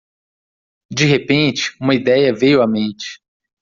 De repente, uma ideia veio à mente